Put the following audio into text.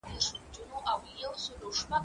زه قلم استعمالوم کړی دی؟!